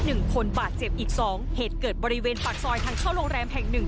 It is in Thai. หนึ่งคนบาดเจ็บอีกสองเหตุเกิดบริเวณปากซอยทางเข้าโรงแรมแห่งหนึ่ง